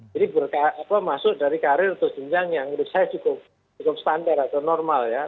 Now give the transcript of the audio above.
jadi berkata apa masuk dari karir atau senjang yang menurut saya cukup standar atau normal ya